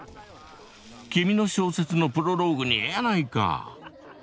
君の小説のプロローグにええやないか。